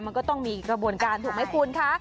มันก็ต้องมีกระบวนการถูกไหมคุณคะ